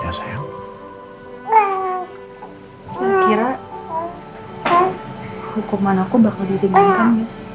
ya sayang kira kira hukuman aku bakal disingkirkan